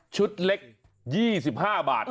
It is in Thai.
ชุดเล็ก๒๕บาท